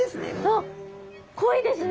あっ濃いですね。